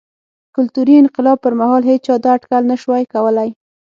کلتوري انقلاب پر مهال هېچا دا اټکل نه شوای کولای.